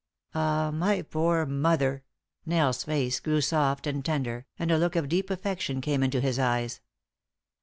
"Ah! my poor mother!" Nell's face grew soft and tender, and a look of deep affection came into his eyes.